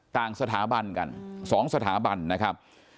ต่างสถาบันกัน๒สถาบันนะครับ